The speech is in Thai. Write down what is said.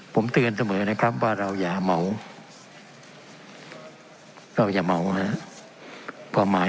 ผมเตือนเสมอนะครับว่าเราอย่าเหมาเราอย่าเมาฮะ